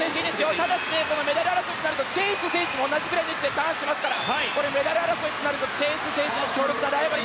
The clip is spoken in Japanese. ただ、メダル争いとなるとチェイス選手も同じぐらいでターンしていますからメダル争いとなるとチェイス選手も強力なライバル。